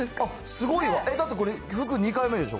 すごいわ、だってこれ、僕、２回目でしょ？